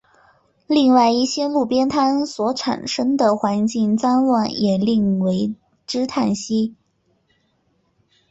另外一些路边摊所产生的环境脏乱也令为之叹息。